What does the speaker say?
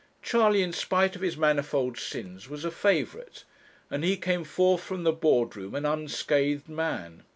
Charley, in spite of his manifold sins, was a favourite, and he came forth from the board room an unscathed man.